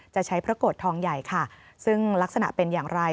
จะใช้พระโกรธทองใหญ่ค่ะซึ่งลักษณะเป็นอย่างไร